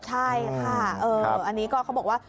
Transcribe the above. ใช่ค่ะอันนี้ก็เขาบอกว่า